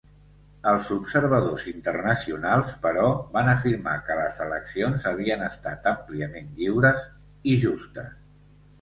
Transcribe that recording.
Els observadors internacionals, però, van afirmar que les eleccions havien estat àmpliament lliures i justes.